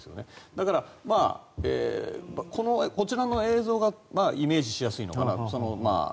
だから、こちらの映像がイメージしやすいのかなと。